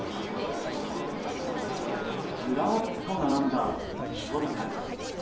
ずらっと並んだ人だかり。